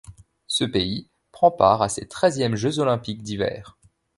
Ce pays prend part à ses treizièmes Jeux olympiques d'hiver.